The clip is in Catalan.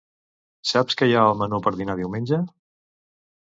Saps què hi ha al menú per dinar diumenge?